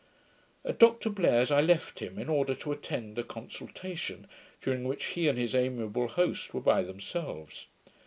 At Dr Blair's I left him, in order to attend a consultation, during which he and his amiable host were by themselves.